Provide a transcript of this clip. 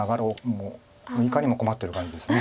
もういかにも困ってる感じです。